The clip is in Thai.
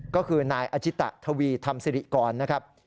ก็คือนายอาชิตะทวีธรรมสิริกรนะครับ